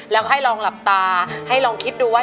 แล้วก็ให้ลองหลับตาให้ลองคิดดูว่า